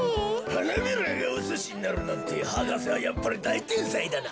はなびらがおすしになるなんて博士はやっぱりだいてんさいだな。